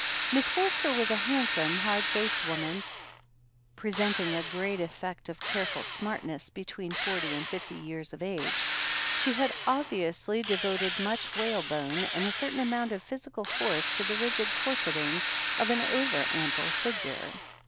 Miss Forster was a handsome, hard faced woman, presenting a great effect of careful smartness, between forty and fifty years of age. She had obviously de voted much whalebone and a certain amount of physical force to the rigid corsetting of an over ample figure.